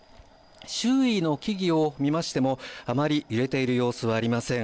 周囲の木々を見ましてもあまり揺れている様子はありません。